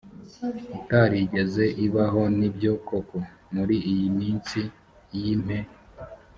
itarigeze ibaho ni byo koko muri iyi minsi y impe